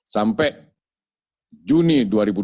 sampai juni dua ribu dua puluh